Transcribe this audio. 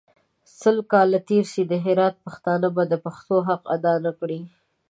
سل کاله تېر سي د هرات پښتانه به د پښتو حق اداء نکړي.